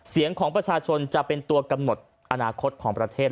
เสียงของประชาชนจะเป็นตัวกำหนดอนาคตของประเทศ